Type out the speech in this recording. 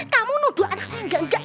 kamu nuduh anak saya gak gak